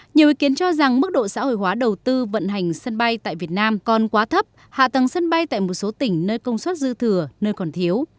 nhiều ý kiến cho rằng mức độ xã hội hóa đầu tư vận hành sân bay tại việt nam còn quá thấp hạ tầng sân bay tại một số tỉnh nơi công suất dư thừa nơi còn thiếu